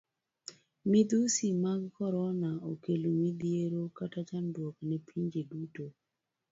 Midhusi mag korona okelo midhiero kata chandruok ne pinje duto.